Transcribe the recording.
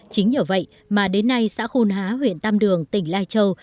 chính nhờ vậy mà đến nay xã khôn há huyện tam đường tỉnh lai châu